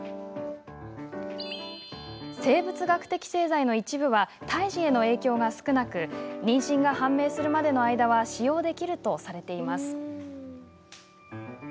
生物学的製剤の一部は胎児への影響が少なく妊娠が判明するまでの間は使用できるとされています。